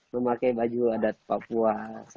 memakai baju adat papua